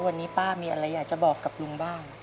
วันนี้ป้ามีอะไรอยากจะบอกกับลุงบ้าง